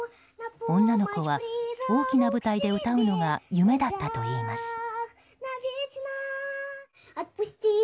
女の子は大きな舞台で歌うのが夢だったといいます。